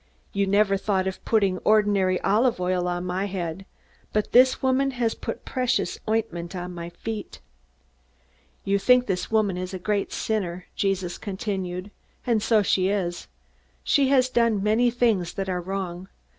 You never thought of putting ordinary olive oil on my head; but this woman has put precious ointment on my feet. "You think this woman is a great sinner," Jesus continued, "and so she is. She has done many things that are wrong.